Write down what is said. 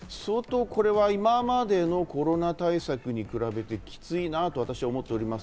今までのコロナ対策に比べて、きついなと思っております。